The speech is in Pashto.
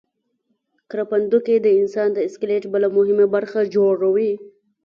کرپندوکي د انسان د سکلیټ بله مهمه برخه جوړوي.